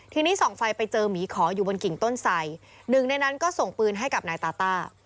ทีนี้ส่องไฟไปเจอหมีขออยู่บนกิ่งต้นไสหนึ่งในนั้นก็ส่งปืนให้กับนายตาต้า